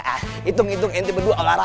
hitung hitung inti berdua olahraga